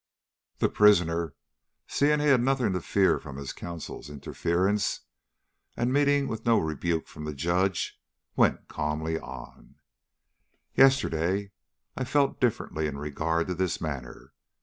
The prisoner, seeing he had nothing to fear from his counsel's interference, and meeting with no rebuke from the Judge, went calmly on: "Yesterday I felt differently in regard to this matter.